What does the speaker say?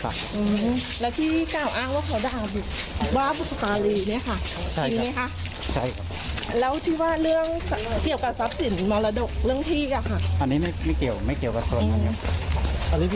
อาบมีการวางแผนไว้ไหมครับ